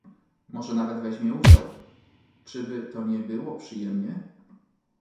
"Może nawet weźmie udział; czyby to nie było przyjemnie?"